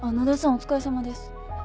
お疲れさまです。